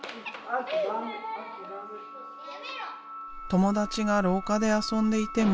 友達が廊下で遊んでいても